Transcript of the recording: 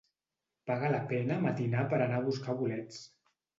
Paga la pena matinar per anar a buscar bolets.